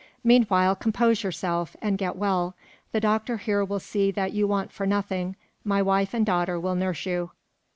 Meanwhile, compose yourself, and get well. The doctor here will see that you want for nothing. My wife and daughter will nurse you."